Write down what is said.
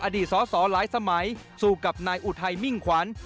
อดีตสอสอหลายสมัยสู้กับนายอุทัยมิ่งขวัญ